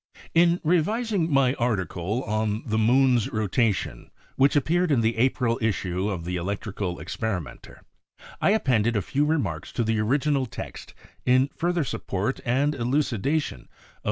I N revising my article on "The Moon's Rotation", which appeared in the April issue of the Electrical Experimenter, I appended a few remarks to the orig inal text in further support and eluci Fig.